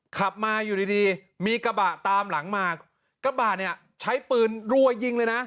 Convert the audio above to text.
ขับมาอยู่ดีดีมีกระบะตามหลังมากระบะเนี่ยใช้ปืนรัวยิงเลยนะ